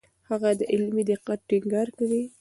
هغه د علمي دقت ټینګار کوي.